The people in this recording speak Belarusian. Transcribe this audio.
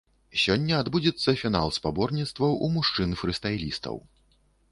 Сёння адбудзецца фінал спаборніцтваў у мужчын-фрыстайлістаў.